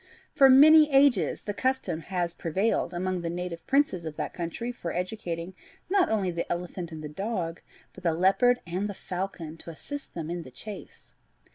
For many ages the custom has prevailed among the native princes of that country of educating not only the elephant and the dog, but the leopard and the falcon to assist them in the chase.